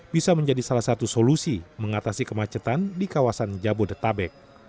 bisa menjadi salah satu solusi mengatasi kemacetan di kawasan jabodetabek